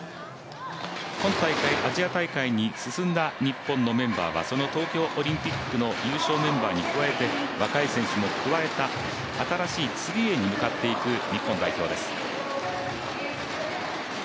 今大会、アジア大会に進んだ日本のメンバーはその東京オリンピックの優勝メンバーに加えて若い選手も加えた新しい次へに向かっていく日本代表メンバーです。